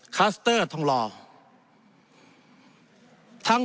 คัสเตอร์ท่องรอ